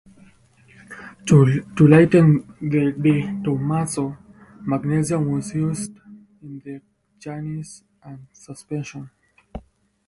To lighten the De Tomaso, magnesium was used in its chassis and suspension.